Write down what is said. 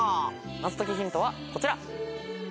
謎解きヒントはこちら。